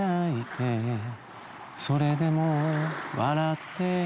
「それでも笑って」